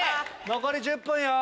残り１０分よ。